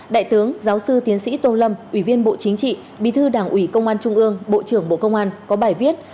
đại tướng giáo sư tiến sĩ tô lâm ủy viên bộ chính trị bí thư đảng ủy công an trung ương bộ trưởng bộ công an có bài viết